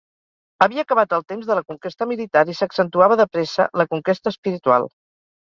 Havia acabat el temps de la conquesta militar i s'accentuava de pressa la conquesta espiritual.